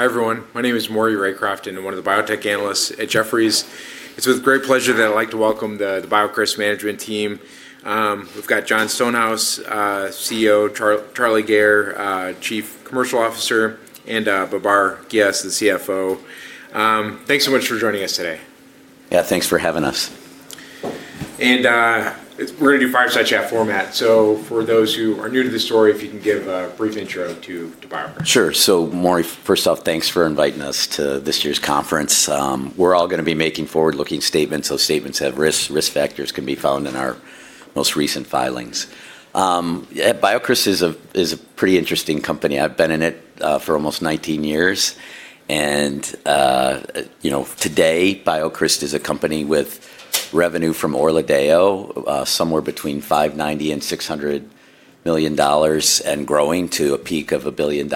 Hi everyone, my name is Maury Raycroft, and I'm one of the biotech analysts at Jefferies. It's with great pleasure that I'd like to welcome the BioCryst Pharmaceuticals management team. We've got Jon Stonehouse, CEO, Charlie Gayer, Chief Commercial Officer, and Babar Ghias, the CFO. Thanks so much for joining us today. Yeah, thanks for having us. We're going to do fireside chat format. For those who are new to the story, if you can give a brief intro to BioCryst. Sure. Maury, first off, thanks for inviting us to this year's conference. We're all going to be making forward-looking statements, so statements have risks. Risk factors can be found in our most recent filings. BioCryst is a pretty interesting company. I've been in it for almost 19 years. Today, BioCryst is a company with revenue from ORLADEYO somewhere between $590-$600 million and growing to a peak of $1 billion.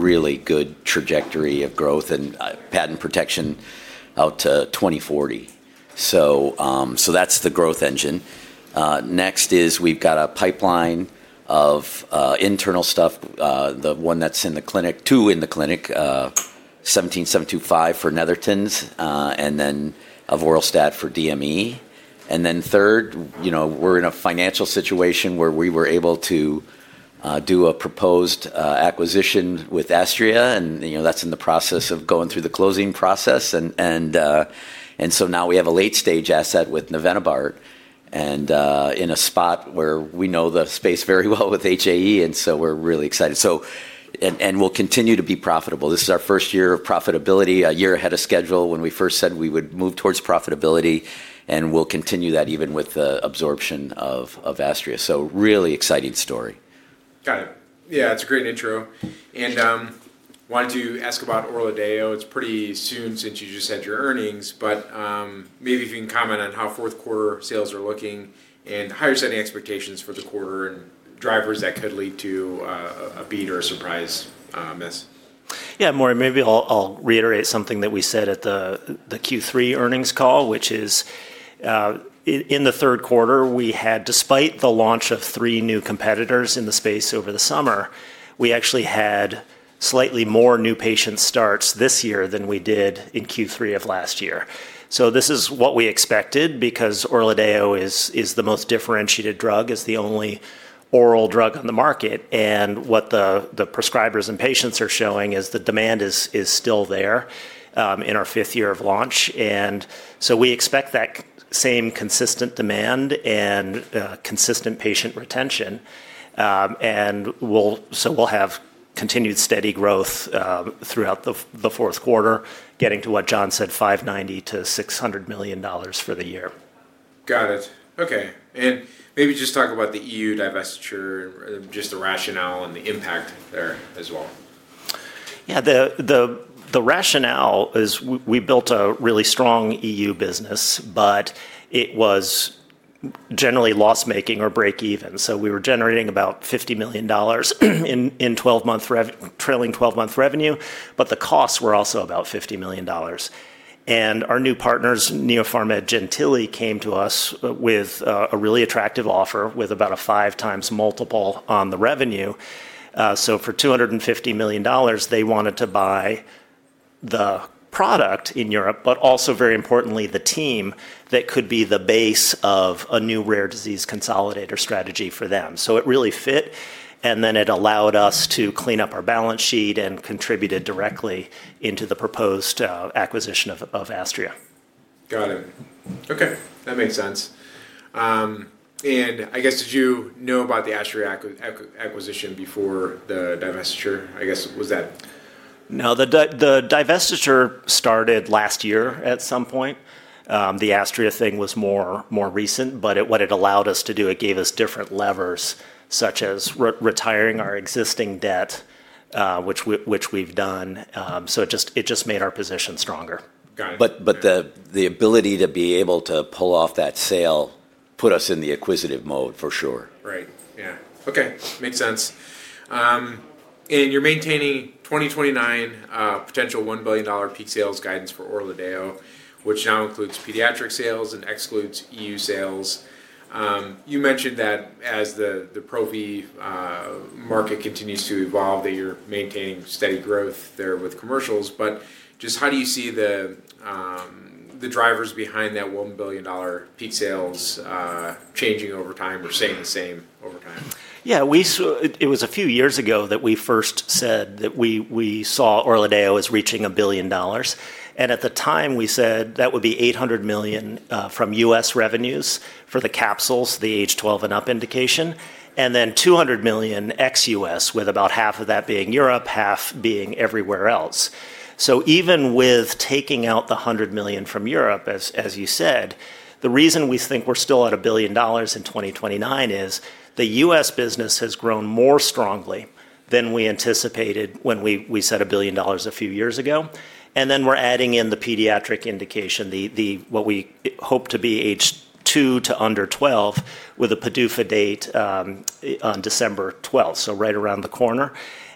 Really good trajectory of growth and patent protection out to 2040. That is the growth engine. Next is we've got a pipeline of internal stuff, the one that's in the clinic, two in the clinic, 17725 for Netherton, and then Orlistat for DME. Third, we're in a financial situation where we were able to do a proposed acquisition with Astria, and that's in the process of going through the closing process. Now we have a late-stage asset with Nevenabart and in a spot where we know the space very well with HAE, and we are really excited. We will continue to be profitable. This is our first year of profitability, a year ahead of schedule when we first said we would move towards profitability, and we will continue that even with the absorption of Astria. Really exciting story. Got it. Yeah, that's a great intro. I wanted to ask about ORLADEYO. It's pretty soon since you just had your earnings, but maybe if you can comment on how fourth quarter sales are looking and how you're setting expectations for the quarter and drivers that could lead to a beat or a surprise miss. Yeah, Maury, maybe I'll reiterate something that we said at the Q3 earnings call, which is in the third quarter, we had, despite the launch of three new competitors in the space over the summer, we actually had slightly more new patient starts this year than we did in Q3 of last year. This is what we expected because ORLADEYO is the most differentiated drug, is the only oral drug on the market. What the prescribers and patients are showing is the demand is still there in our fifth year of launch. We expect that same consistent demand and consistent patient retention. We'll have continued steady growth throughout the fourth quarter, getting to what Jon said, $590-$600 million for the year. Got it. Okay. Maybe just talk about the EU divestiture, just the rationale and the impact there as well. Yeah, the rationale is we built a really strong EU business, but it was generally loss-making or break-even. We were generating about $50 million in trailing 12-month revenue, but the costs were also about $50 million. Our new partners, Neopharma and Gentilly, came to us with a really attractive offer with about a five-times multiple on the revenue. For $250 million, they wanted to buy the product in Europe, but also, very importantly, the team that could be the base of a new rare disease consolidator strategy for them. It really fit, and it allowed us to clean up our balance sheet and contributed directly into the proposed acquisition of Astria. Got it. Okay, that makes sense. I guess, did you know about the Astria acquisition before the divestiture? I guess, was that? No, the divestiture started last year at some point. The Astria thing was more recent, but what it allowed us to do, it gave us different levers, such as retiring our existing debt, which we've done. It just made our position stronger. Got it. The ability to be able to pull off that sale put us in the acquisitive mode for sure. Right. Yeah. Okay, makes sense. You are maintaining 2029 potential $1 billion peak sales guidance for ORLADEYO, which now includes pediatric sales and excludes EU sales. You mentioned that as the ProV market continues to evolve, you are maintaining steady growth there with commercials. Just how do you see the drivers behind that $1 billion peak sales changing over time or staying the same over time? Yeah, it was a few years ago that we first said that we saw ORLADEYO as reaching $1 billion. At the time, we said that would be $800 million from US revenues for the capsules, the age 12 and up indication, and then $200 million ex-US, with about half of that being Europe, half being everywhere else. Even with taking out the $100 million from Europe, as you said, the reason we think we're still at $1 billion in 2029 is the US business has grown more strongly than we anticipated when we said $1 billion a few years ago. We are adding in the pediatric indication, what we hope to be age 2 to under 12, with a PDUFA Date on December 12, right around the corner.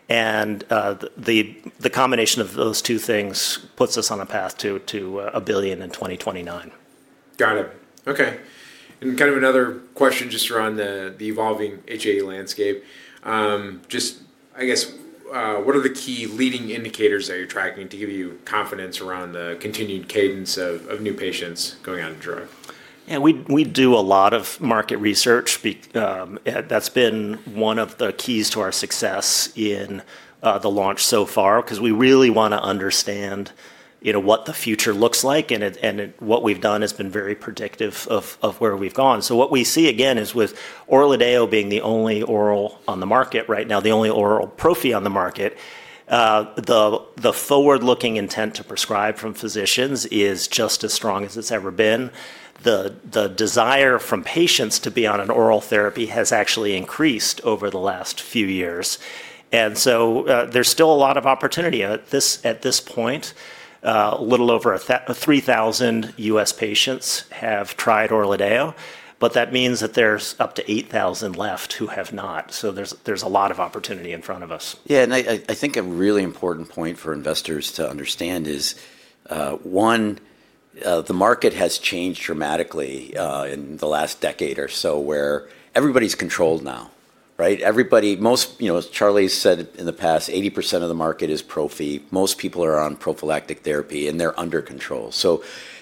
The combination of those two things puts us on a path to $1 billion in 2029. Got it. Okay. Kind of another question just around the evolving HAE landscape. Just, I guess, what are the key leading indicators that you're tracking to give you confidence around the continued cadence of new patients going on to drug? Yeah, we do a lot of market research. That's been one of the keys to our success in the launch so far because we really want to understand what the future looks like. What we've done has been very predictive of where we've gone. What we see, again, is with ORLADEYO being the only oral on the market right now, the only oral ProV on the market, the forward-looking intent to prescribe from physicians is just as strong as it's ever been. The desire from patients to be on an oral therapy has actually increased over the last few years. There is still a lot of opportunity at this point. A little over 3,000 US patients have tried ORLADEYO, but that means that there's up to 8,000 left who have not. There is a lot of opportunity in front of us. Yeah. I think a really important point for investors to understand is, one, the market has changed dramatically in the last decade or so where everybody's controlled now, right? Charlie has said in the past, 80% of the market is ProV. Most people are on prophylactic therapy, and they're under control.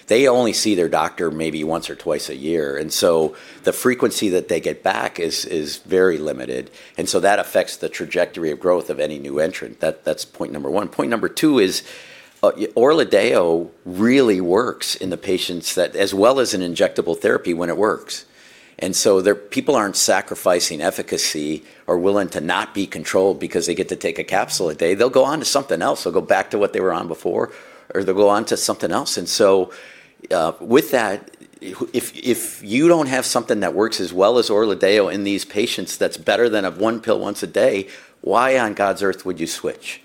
They only see their doctor maybe once or twice a year. The frequency that they get back is very limited. That affects the trajectory of growth of any new entrant. That's point number one. Point number two is ORLADEYO really works in the patients as well as an injectable therapy when it works. People aren't sacrificing efficacy or willing to not be controlled because they get to take a capsule a day. They'll go on to something else. They'll go back to what they were on before, or they'll go on to something else. If you don't have something that works as well as ORLADEYO in these patients that's better than a one pill once a day, why on God's earth would you switch?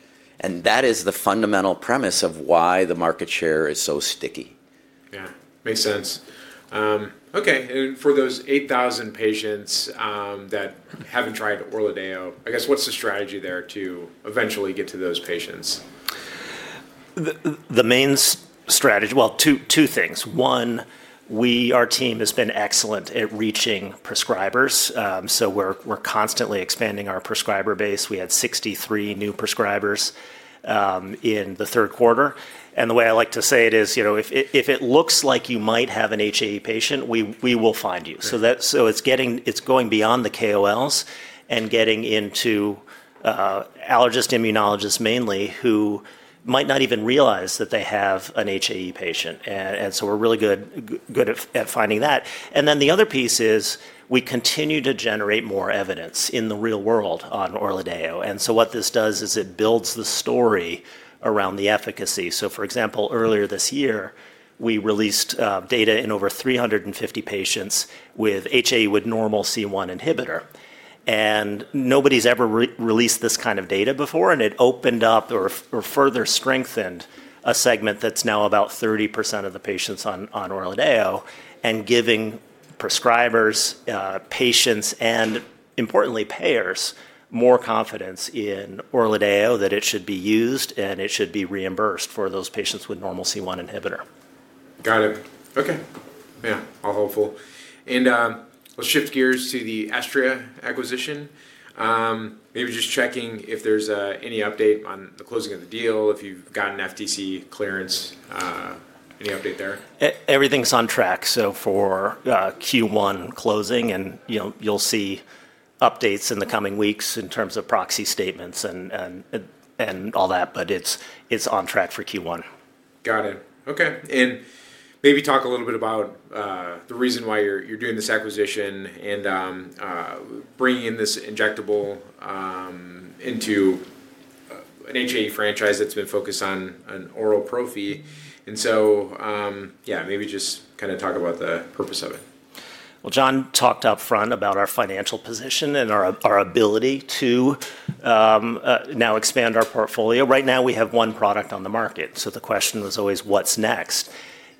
That is the fundamental premise of why the market share is so sticky. Yeah, makes sense. Okay. For those 8,000 patients that haven't tried ORLADEYO, I guess, what's the strategy there to eventually get to those patients? The main strategy, two things. One, our team has been excellent at reaching prescribers. We're constantly expanding our prescriber base. We had 63 new prescribers in the third quarter. The way I like to say it is, if it looks like you might have an HAE patient, we will find you. It's going beyond the KOLs and getting into allergist immunologists mainly who might not even realize that they have an HAE patient. We're really good at finding that. The other piece is we continue to generate more evidence in the real world on ORLADEYO. What this does is it builds the story around the efficacy. For example, earlier this year, we released data in over 350 patients with HAE with normal C1 inhibitor. Nobody's ever released this kind of data before. It opened up or further strengthened a segment that's now about 30% of the patients on ORLADEYO and giving prescribers, patients, and importantly, payers more confidence in ORLADEYO that it should be used and it should be reimbursed for those patients with normal C1 inhibitor. Got it. Okay. Yeah, all hopeful. Let's shift gears to the Astria acquisition. Maybe just checking if there's any update on the closing of the deal, if you've gotten FDC clearance, any update there? Everything's on track for Q1 closing, and you'll see updates in the coming weeks in terms of proxy statements and all that, but it's on track for Q1. Got it. Okay. Maybe talk a little bit about the reason why you're doing this acquisition and bringing in this injectable into an HAE franchise that's been focused on an oral ProV. Yeah, maybe just kind of talk about the purpose of it. Jon talked upfront about our financial position and our ability to now expand our portfolio. Right now, we have one product on the market. The question was always, what's next?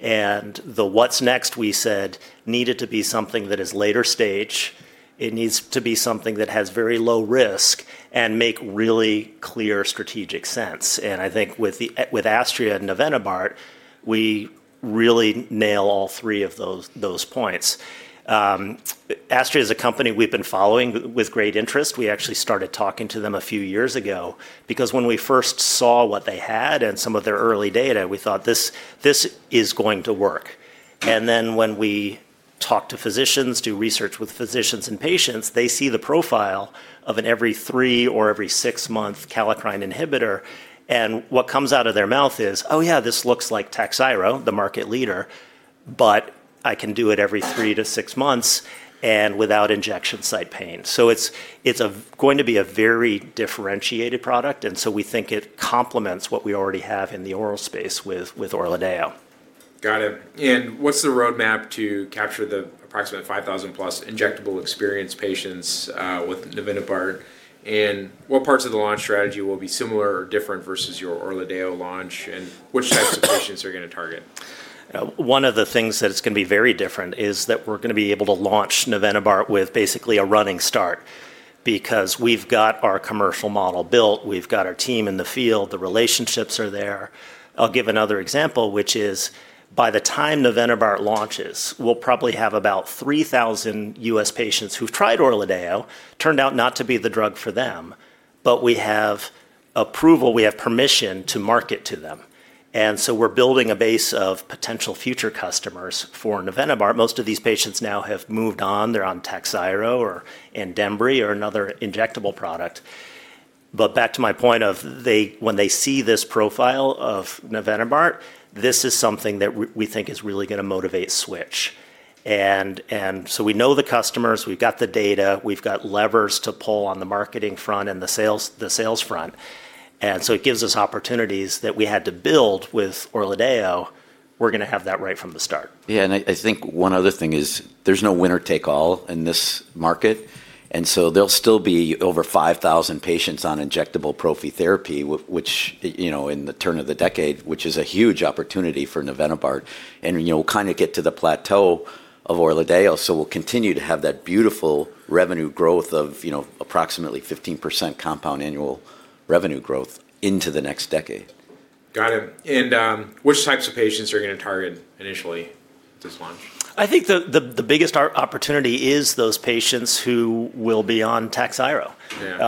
The what's next, we said, needed to be something that is later stage. It needs to be something that has very low risk and make really clear strategic sense. I think with Astria and Nevenabart, we really nail all three of those points. Astria is a company we've been following with great interest. We actually started talking to them a few years ago because when we first saw what they had and some of their early data, we thought, this is going to work. When we talk to physicians, do research with physicians and patients, they see the profile of an every three or every six-month Kallikrein inhibitor. What comes out of their mouth is, oh, yeah, this looks like TAKHZYRO, the market leader, but I can do it every three to six months and without injection site pain. It is going to be a very differentiated product. We think it complements what we already have in the oral space with ORLADEYO. Got it. What is the roadmap to capture the approximately 5,000+ injectable-experienced patients with Nevenabart? What parts of the launch strategy will be similar or different versus your ORLADEYO launch? Which types of patients are you going to target? One of the things that it's going to be very different is that we're going to be able to launch Nevenabart with basically a running start because we've got our commercial model built. We've got our team in the field. The relationships are there. I'll give another example, which is by the time Nevenabart launches, we'll probably have about 3,000 US patients who've tried ORLADEYO, turned out not to be the drug for them, but we have approval, we have permission to market to them. And so we're building a base of potential future customers for Nevenabart. Most of these patients now have moved on. They're on TAKHZYRO or another injectable product. Back to my point of when they see this profile of Nevenabart, this is something that we think is really going to motivate switch. And so we know the customers. We've got the data. We've got levers to pull on the marketing front and the sales front. It gives us opportunities that we had to build with ORLADEYO. We're going to have that right from the start. Yeah. I think one other thing is there's no winner take all in this market. There'll still be over 5,000 patients on injectable ProV therapy at the turn of the decade, which is a huge opportunity for Nevenabart. We'll kind of get to the plateau of ORLADEYO. We'll continue to have that beautiful revenue growth of approximately 15% compound annual revenue growth into the next decade. Got it. Which types of patients are you going to target initially at this launch? I think the biggest opportunity is those patients who will be on TAKHZYRO.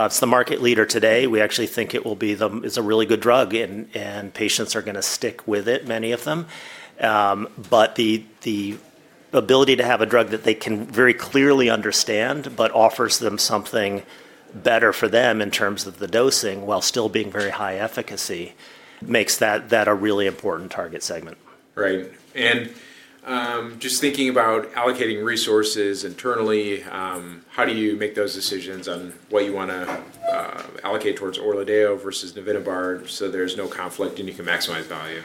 It's the market leader today. We actually think it will be a really good drug, and patients are going to stick with it, many of them. But the ability to have a drug that they can very clearly understand but offers them something better for them in terms of the dosing while still being very high efficacy makes that a really important target segment. Right. Just thinking about allocating resources internally, how do you make those decisions on what you want to allocate towards ORLADEYO versus Nevenabart so there is no conflict and you can maximize value?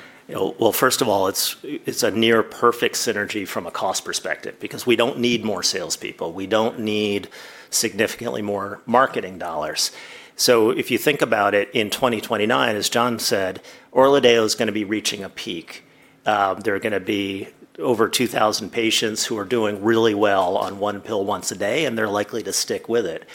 First of all, it's a near perfect synergy from a cost perspective because we don't need more salespeople. We don't need significantly more marketing dollars. If you think about it in 2029, as Jon said, ORLADEYO is going to be reaching a peak. There are going to be over 2,000 patients who are doing really well on one pill once a day, and they're likely to stick with it.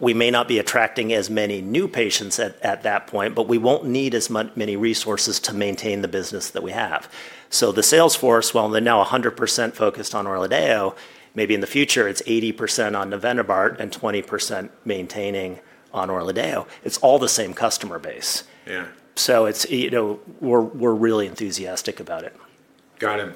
We may not be attracting as many new patients at that point, but we won't need as many resources to maintain the business that we have. The salesforce, while they're now 100% focused on ORLADEYO, maybe in the future it's 80% on Nevenabart and 20% maintaining on ORLADEYO. It's all the same customer base. We're really enthusiastic about it. Got it.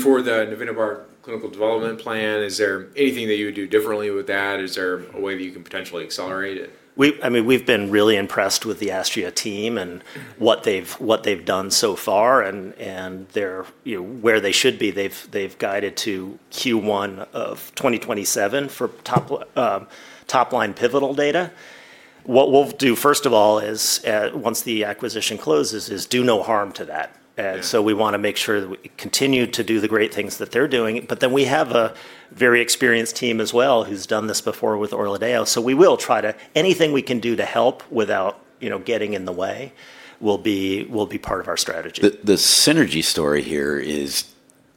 For the Nevenabart clinical development plan, is there anything that you would do differently with that? Is there a way that you can potentially accelerate it? I mean, we've been really impressed with the Astria team and what they've done so far and where they should be. They've guided to Q1 of 2027 for top-line pivotal data. What we'll do, first of all, once the acquisition closes, is do no harm to that. We want to make sure that we continue to do the great things that they're doing. We have a very experienced team as well who's done this before with ORLADEYO. We will try to anything we can do to help without getting in the way will be part of our strategy. The synergy story here is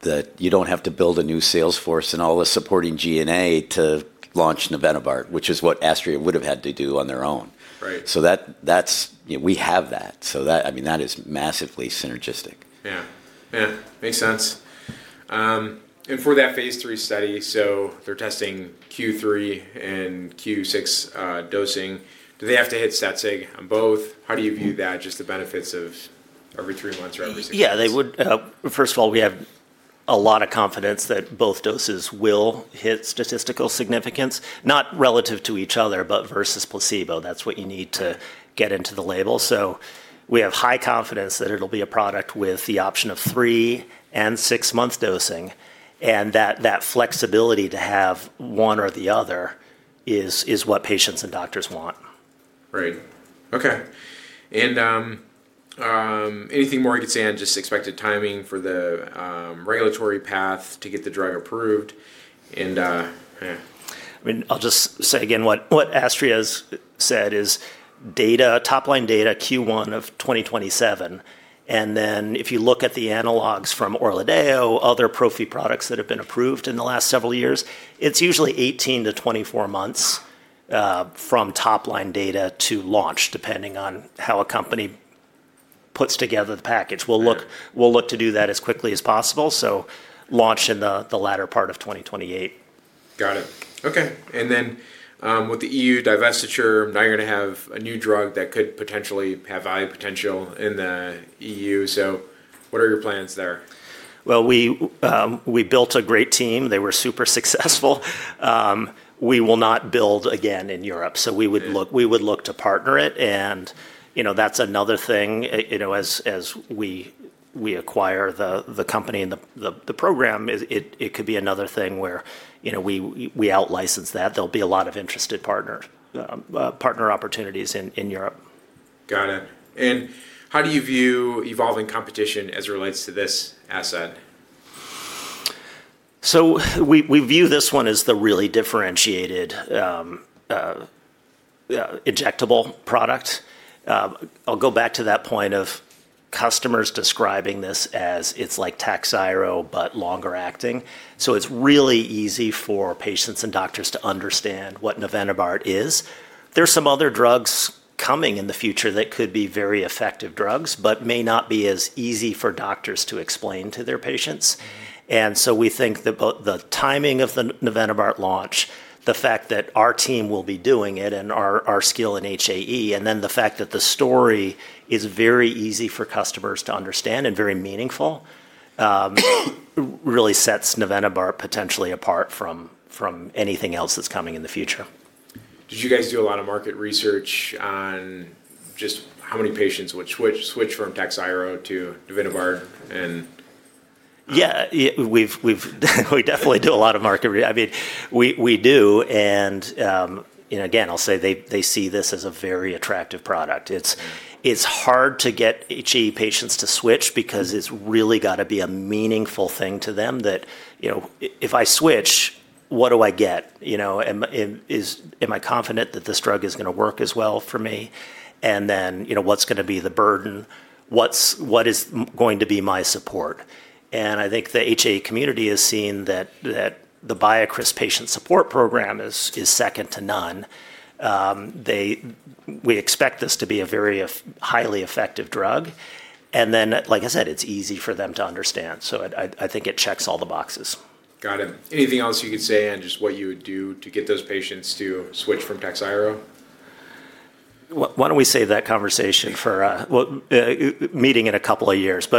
that you don't have to build a new salesforce and all the supporting GNA to launch Nevenabart, which is what Astria would have had to do on their own. We have that. I mean, that is massively synergistic. Yeah. Yeah. Makes sense. For that Phase 3 study, they're testing Q3 and Q6 dosing. Do they have to hit Statsig on both? How do you view that, just the benefits of every three months or every six months? Yeah. First of all, we have a lot of confidence that both doses will hit statistical significance, not relative to each other, but versus placebo. That's what you need to get into the label. We have high confidence that it'll be a product with the option of three and six-month dosing. That flexibility to have one or the other is what patients and doctors want. Right. Okay. Anything more you could say on just expected timing for the regulatory path to get the drug approved? I mean, I'll just say again what Astria has said is top-line data Q1 of 2027. If you look at the analogs from ORLADEYO, other ProV products that have been approved in the last several years, it's usually 18-24 months from top-line data to launch, depending on how a company puts together the package. We'll look to do that as quickly as possible. Launch in the latter part of 2028. Got it. Okay. With the EU divestiture, now you're going to have a new drug that could potentially have value potential in the EU. What are your plans there? We built a great team. They were super successful. We will not build again in Europe. We would look to partner it. That is another thing. As we acquire the company and the program, it could be another thing where we out-license that. There will be a lot of interested partner opportunities in Europe. Got it. How do you view evolving competition as it relates to this asset? We view this one as the really differentiated injectable product. I'll go back to that point of customers describing this as it's like TAKHZYRO, but longer acting. It's really easy for patients and doctors to understand what Nevenabart is. There are some other drugs coming in the future that could be very effective drugs, but may not be as easy for doctors to explain to their patients. We think that the timing of the Nevenabart launch, the fact that our team will be doing it and our skill in HAE, and then the fact that the story is very easy for customers to understand and very meaningful really sets Nevenabart potentially apart from anything else that's coming in the future. Did you guys do a lot of market research on just how many patients would switch from TAKHZYRO to Nevenabart? Yeah. We definitely do a lot of market research. I mean, we do. I'll say they see this as a very attractive product. It's hard to get HAE patients to switch because it's really got to be a meaningful thing to them that if I switch, what do I get? Am I confident that this drug is going to work as well for me? What's going to be the burden? What is going to be my support? I think the HAE community has seen that the BioCryst patient support program is second to none. We expect this to be a very highly effective drug. Like I said, it's easy for them to understand. I think it checks all the boxes. Got it. Anything else you could say on just what you would do to get those patients to switch from TAKHZYRO? Why don't we save that conversation for a meeting in a couple of years? We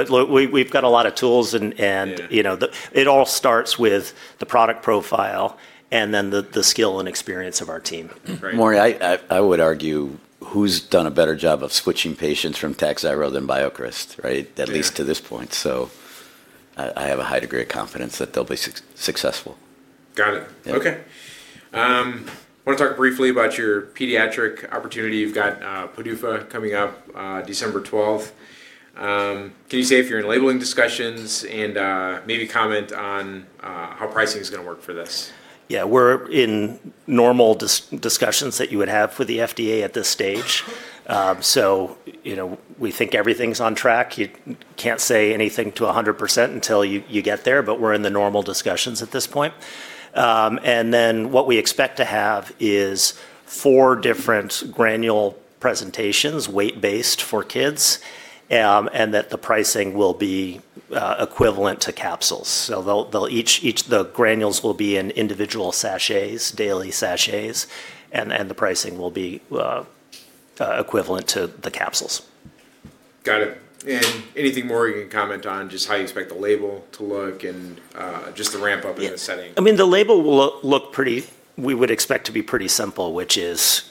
have got a lot of tools. It all starts with the product profile and then the skill and experience of our team. Maury, I would argue who's done a better job of switching patients from TAKHZYRO than BioCryst, right? At least to this point. I have a high degree of confidence that they'll be successful. Got it. Okay. I want to talk briefly about your pediatric opportunity. You've got PDUFA coming up December 12th. Can you say if you're in labeling discussions and maybe comment on how pricing is going to work for this? Yeah. We're in normal discussions that you would have with the FDA at this stage. We think everything's on track. You can't say anything to 100% until you get there, but we're in the normal discussions at this point. What we expect to have is four different granule presentations, weight-based for kids, and that the pricing will be equivalent to capsules. The granules will be in individual sachets, daily sachets, and the pricing will be equivalent to the capsules. Got it. Anything more you can comment on just how you expect the label to look and just the ramp-up in the setting? I mean, the label will look pretty, we would expect to be pretty simple, which is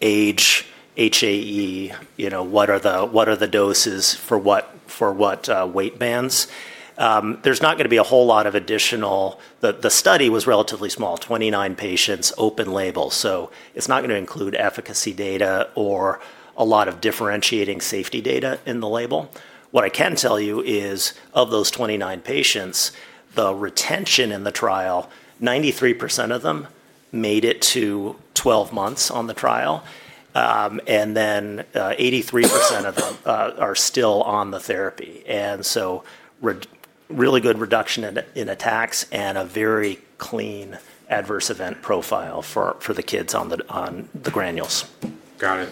age, HAE, what are the doses for what weight bands. There's not going to be a whole lot of additional, the study was relatively small, 29 patients, open label. It's not going to include efficacy data or a lot of differentiating safety data in the label. What I can tell you is of those 29 patients, the retention in the trial, 93% of them made it to 12 months on the trial, and 83% of them are still on the therapy. Really good reduction in attacks and a very clean adverse event profile for the kids on the granules. Got it.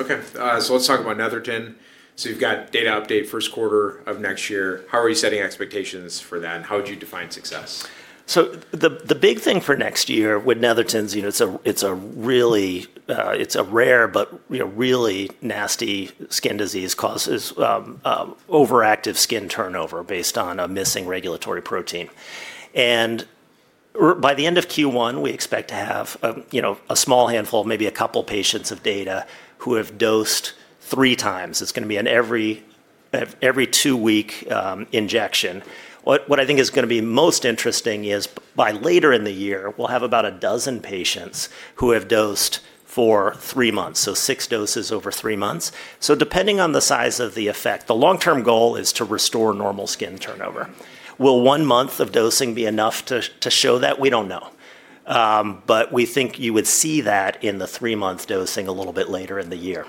Okay. Let's talk about Netherton. You've got data update first quarter of next year. How are you setting expectations for that? How would you define success? The big thing for next year with Netherton, it's a rare, but really nasty skin disease, causes overactive skin turnover based on a missing regulatory protein. By the end of Q1, we expect to have a small handful, maybe a couple of patients of data who have dosed three times. It's going to be an every two-week injection. What I think is going to be most interesting is by later in the year, we'll have about a dozen patients who have dosed for three months, so six doses over three months. Depending on the size of the effect, the long-term goal is to restore normal skin turnover. Will one month of dosing be enough to show that? We don't know. We think you would see that in the three-month dosing a little bit later in the year.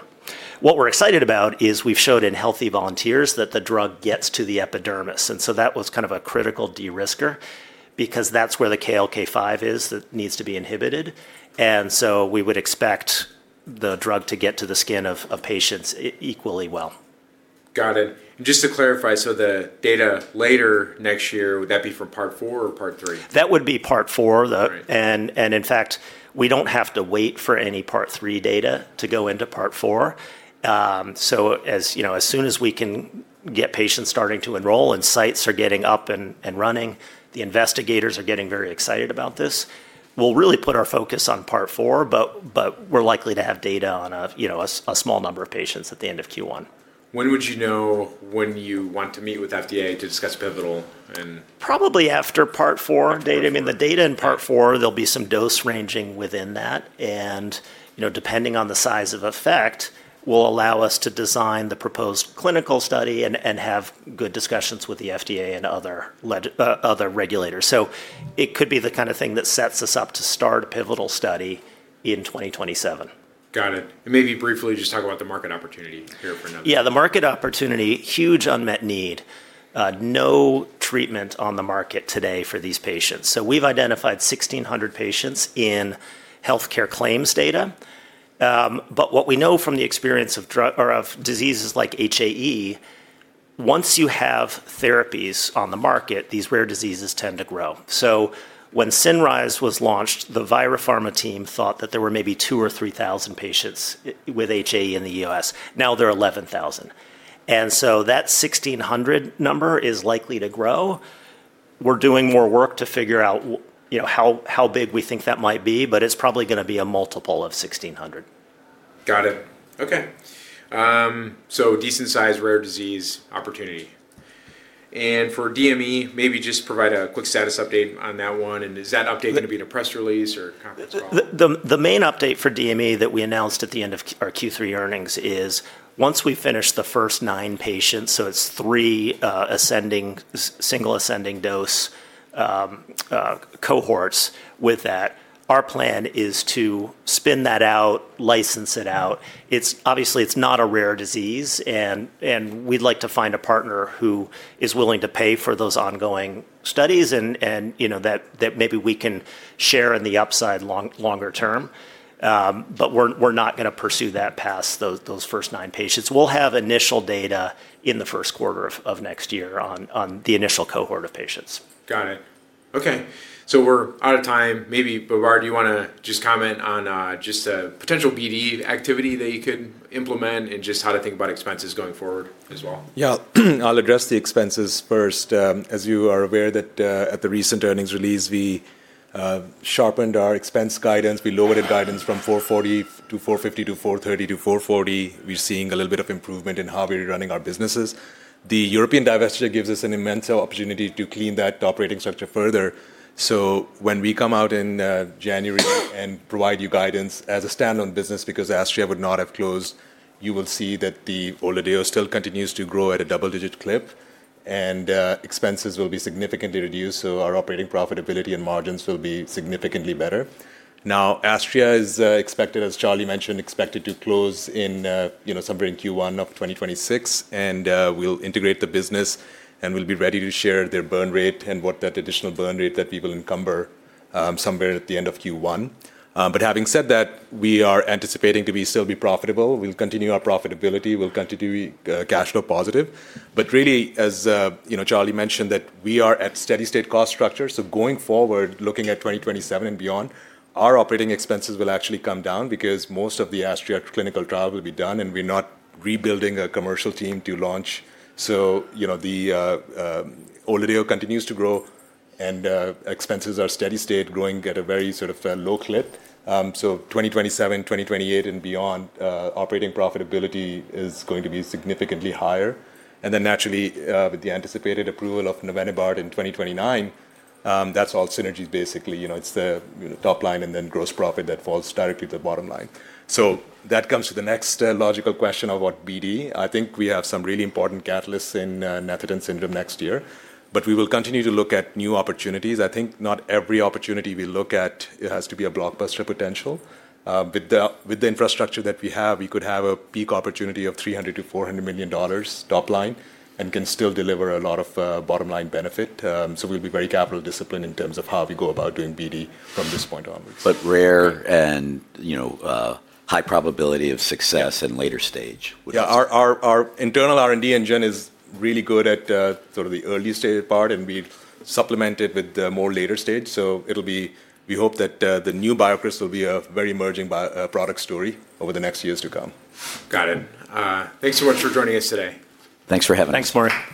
What we're excited about is we've showed in healthy volunteers that the drug gets to the epidermis. That was kind of a critical de-risker because that's where the KLK-5 is that needs to be inhibited. We would expect the drug to get to the skin of patients equally well. Got it. Just to clarify, the data later next year, would that be for Part 4 or Part 3? That would be Part 4. In fact, we do not have to wait for any Part 3 data to go into Part 4. As soon as we can get patients starting to enroll and sites are getting up and running, the investigators are getting very excited about this, we will really put our focus on Part 4, but we are likely to have data on a small number of patients at the end of Q1. When would you know when you want to meet with FDA to discuss pivotal and? Probably after Part 4 data. I mean, the data in Part 4, there'll be some dose ranging within that. And depending on the size of effect, will allow us to design the proposed clinical study and have good discussions with the FDA and other regulators. It could be the kind of thing that sets us up to start a pivotal study in 2027. Got it. Maybe briefly just talk about the market opportunity here for Nevenabart. Yeah. The market opportunity, huge unmet need. No treatment on the market today for these patients. We've identified 1,600 patients in healthcare claims data. What we know from the experience of diseases like HAE, once you have therapies on the market, these rare diseases tend to grow. When Cinryze was launched, the ViroPharma team thought that there were maybe 2,000 or 3,000 patients with HAE in the US. Now there are 11,000. That 1,600 number is likely to grow. We're doing more work to figure out how big we think that might be, but it's probably going to be a multiple of 1,600. Got it. Okay. Decent-sized rare disease opportunity. For DME, maybe just provide a quick status update on that one. Is that update going to be in a press release or conference call? The main update for DME that we announced at the end of our Q3 earnings is once we finish the first nine patients, so it's threeSingle-Ascending-Dose cohorts with that, our plan is to spin that out, license it out. Obviously, it's not a rare disease, and we'd like to find a partner who is willing to pay for those ongoing studies and that maybe we can share in the upside longer term. We're not going to pursue that past those first nine patients. We'll have initial data in the first quarter of next year on the initial cohort of patients. Got it. Okay. We're out of time. Maybe, Babar, do you want to just comment on just a potential BD activity that you could implement and just how to think about expenses going forward as well? Yeah. I'll address the expenses first. As you are aware, at the recent earnings release, we sharpened our expense guidance. We lowered guidance from $440 million-$450 million to $430 million-$440 million. We're seeing a little bit of improvement in how we're running our businesses. The European divestiture gives us an immense opportunity to clean that operating structure further. When we come out in January and provide you guidance as a standalone business, because Astria would not have closed, you will see that the ORLADEYO deal still continues to grow at a double-digit clip, and expenses will be significantly reduced. Our operating profitability and margins will be significantly better. Astria is expected, as Charlie mentioned, expected to close in somewhere in Q1 of 2026. We will integrate the business, and we will be ready to share their burn rate and what that additional burn rate that we will encumber somewhere at the end of Q1. Having said that, we are anticipating to still be profitable. We will continue our profitability. We will continue cash flow positive. Really, as Charlie mentioned, we are at steady-state cost structure. Going forward, looking at 2027 and beyond, our operating expenses will actually come down because most of the Astria clinical trial will be done, and we are not rebuilding a commercial team to launch. The ORLADEYO deal continues to grow, and expenses are steady-state growing at a very sort of low clip. In 2027, 2028, and beyond, operating profitability is going to be significantly higher. Naturally, with the anticipated approval of Nevenabart in 2029, that is all synergies, basically. It's the top line and then gross profit that falls directly to the bottom line. That comes to the next logical question of what BD. I think we have some really important catalysts in Netherton Syndrome next year, but we will continue to look at new opportunities. I think not every opportunity we look at has to be a blockbuster potential. With the infrastructure that we have, we could have a peak opportunity of $300-$400 million top line and can still deliver a lot of bottom line benefit. We will be very capital disciplined in terms of how we go about doing BD from this point onwards. Rare and high probability of success in later stage. Yeah. Our internal R&D engine is really good at sort of the early-stage part, and we supplement it with more later stage. We hope that the new BioCryst will be a very emerging product story over the next years to come. Got it. Thanks so much for joining us today. Thanks for having us. Thanks, Maury.